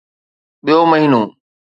ٻيو مهينو